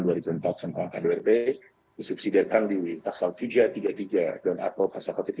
disubsidiakan di winsaksal fija tiga puluh tiga dan arpo pasakotik tiga puluh dua ribu tiga ratus lima puluh satu